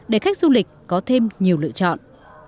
để khách du lịch có thêm nhiều lựa chọn